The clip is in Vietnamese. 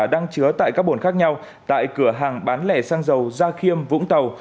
đang chứa tại các bồn khác nhau tại cửa hàng bán lẻ xăng dầu gia khiêm vũng tàu